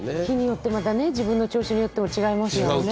日によって自分の調子によっても違いますよね。